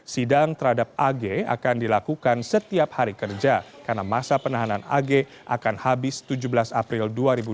sidang terhadap ag akan dilakukan setiap hari kerja karena masa penahanan ag akan habis tujuh belas april dua ribu dua puluh